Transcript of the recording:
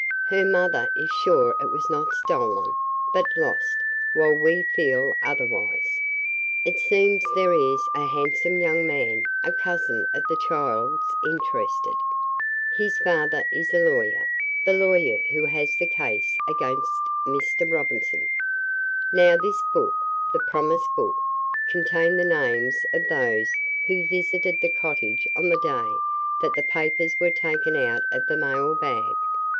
Her mother is sure it was not stolen, but lost, while we feel otherwise. It seems there is a handsome young man, a cousin of the child's, interested. His father is a lawyer the lawyer who has the case against Mr. Robinson. Now this book the promise book contained the names of those who visited the cottage on the day that the papers were taken out of the mailbag.